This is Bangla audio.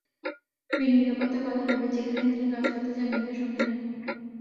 মেয়ের নিরাপত্তার কথা ভেবেই যেখানেই তিনি কাজ করতে যান মেয়েকে সঙ্গে নেন।